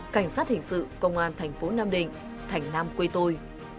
cảnh sát hình sự công an thành phố nam định thành nam quê tôi